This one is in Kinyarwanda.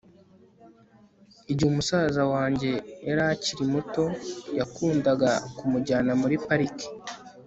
igihe musaza wanjye yari akiri muto, nakundaga kumujyana muri parike